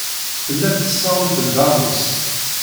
Tellamt tessaɣemt-d aɣmis.